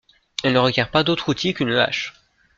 Elle ne requiert pas d'autre outils qu'une hache.